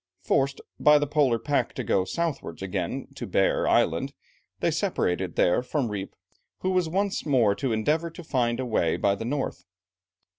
Forced by the Polar pack to go southwards again to Bear Island, they separated there from Rijp, who was once more to endeavour to find a way by the north.